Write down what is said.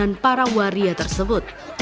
dan para waria tersebut